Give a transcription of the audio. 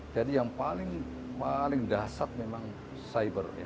jadi yang paling dasar memang cyber